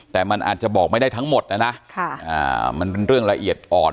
แต่มันอาจจะบอกไม่ได้ทั้งหมดนะนะมันเป็นเรื่องละเอียดอ่อน